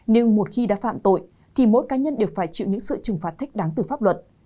nhưng một khi đã phạm tội thì mỗi cá nhân đều phải chịu những sự trừng phạt thích đáng từ pháp luật